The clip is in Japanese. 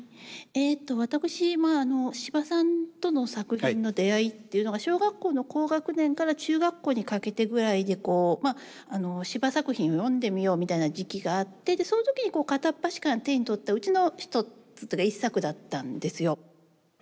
えと私まあ司馬さんとの作品の出会いっていうのが小学校の高学年から中学校にかけてぐらいで司馬作品を読んでみようみたいな時期があってその時に片っ端から手に取ったうちの一つというか一作だったんですよ。